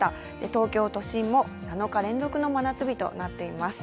東京都心も７日連続の真夏日となっています。